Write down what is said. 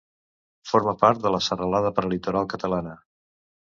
Forma part de la Serralada Prelitoral catalana.